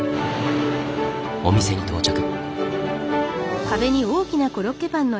お店に到着。